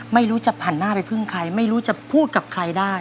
ไม่รู้จะผ่านหน้าไปพึ่งใครไม่รู้จะพูดกับใครได้